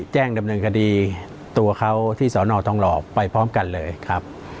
แจ้งดำเนินคดีตัวเขาที่สอนอทองหล่อไปพร้อมกันเลยครับ